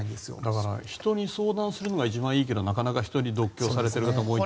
だから人に相談するのが一番いいけどなかなか人に独居されている方も多いから。